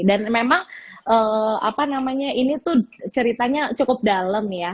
dan memang apa namanya ini tuh ceritanya cukup dalem ya